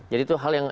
jadi itu hal yang